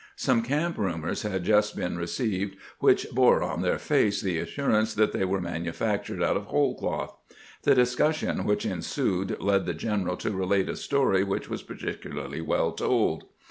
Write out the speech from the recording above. Some camp rumors had just been received which bore on their face the assurance that they were manufactured out of whole cloth. The discussion which ensued led the general to relate a story which was par ticularly well told.